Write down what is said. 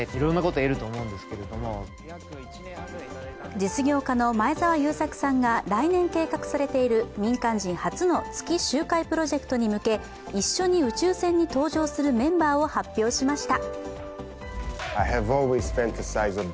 実業家の前澤友作さんが来年計画されている民間人初の月周回プロジェクトに向け一緒に宇宙船に搭乗するメンバーを発表しました。